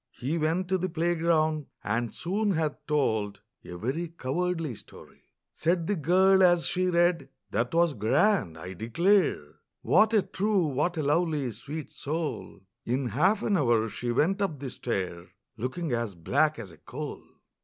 He went to the playground, and soon had told A very cowardly story! Said the girl as she read, "That was grand, I declare! What a true, what a lovely, sweet soul!" In half an hour she went up the stair, Looking as black as a coal!